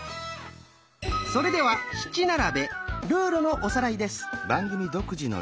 それでは「七並べ」ルールのおさらいです。